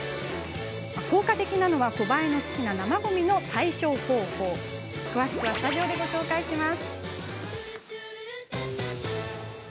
効果的なのは、コバエの好きな生ごみの対処方法、詳しくはスタジオでおさらいします。